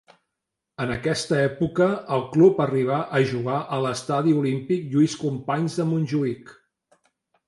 En aquesta època el club arribà a jugar a l'Estadi Olímpic Lluís Companys de Montjuïc.